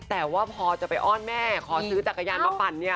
แต่ว่าพอจะไปอ้อนแม่ขอซื้อจักรยานมาปั่นเนี่ย